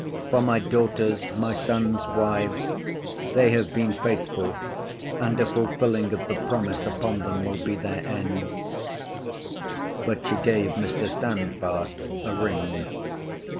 For my daughters, my sons' wives, they have been faithful, and a fulfilling of the promise upon them will be their end. But she gave Mr. Stand fast a ring.